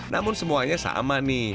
namun semuanya sama nih